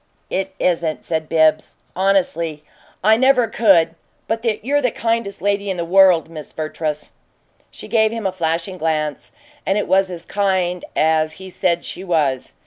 "It isn't," said BIBBS, honestly. "I never could but you're the kindest lady in this world, Miss Vertrees." She gave him a flashing glance, and it was as kind as he said she was.